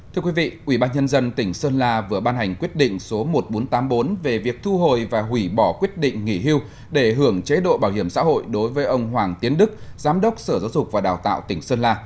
thưa quý vị ubnd tỉnh sơn la vừa ban hành quyết định số một nghìn bốn trăm tám mươi bốn về việc thu hồi và hủy bỏ quyết định nghỉ hưu để hưởng chế độ bảo hiểm xã hội đối với ông hoàng tiến đức giám đốc sở giáo dục và đào tạo tỉnh sơn la